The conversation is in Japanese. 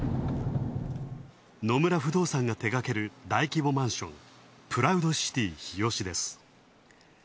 野村不動産が手がける大規模マンション、プラウドシティ日吉です